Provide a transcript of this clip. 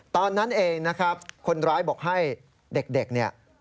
ตอนนั้นเองนะครับคนร้ายบอกให้เด็กเนี่ย